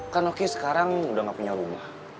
kan oki sekarang udah gak punya rumah